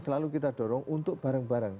selalu kita dorong untuk bareng bareng